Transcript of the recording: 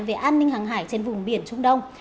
về an ninh hàng hải trên vùng biển trung đông